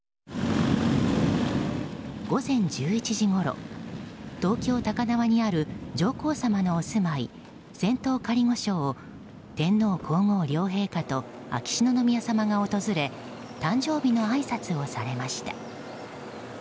午前１１時ごろ東京・高輪にある上皇さまのお住まい仙洞仮御所を天皇・皇后両陛下と秋篠宮さまが訪れ誕生日のあいさつをされました。